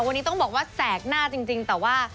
วันนี้ต้องบอกว่าแสกหน้าจริงแต่ว่า